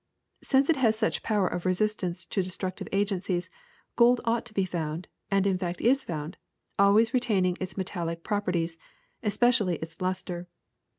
Since it has such power of resistance to destructive agencies, gold ought to be found, and in fact is found, always retaining its metallic proper ties, especially its luster.